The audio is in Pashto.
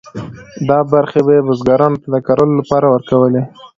دا برخې به یې بزګرانو ته د کرلو لپاره ورکولې.